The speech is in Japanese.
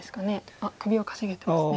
あっ首をかしげてますね。